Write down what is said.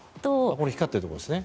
これ光っているところですね。